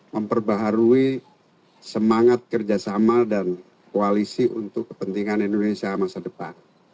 memperbaharui semangat kerjasama dan koalisi untuk kepentingan indonesia masa depan